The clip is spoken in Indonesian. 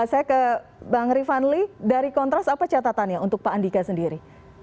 saya ke bang rifanli dari kontras apa catatannya untuk pak andika sendiri